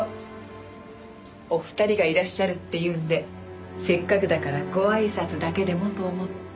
お二人がいらっしゃるっていうんでせっかくだからごあいさつだけでもと思って。